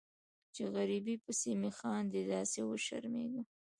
چې غریبۍ پسې مې خاندي داسې وشرمیږم